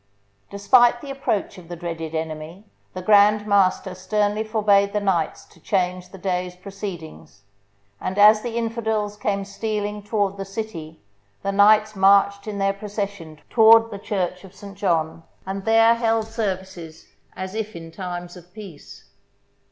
Despite the approach of the dreaded enemy, the Grand Master sternly forbade the knights to change the day's proceedings, and as the infidels came stealing toward the city the knights marched in their procession toward the Church of St. John, and there held services as if in times of peace.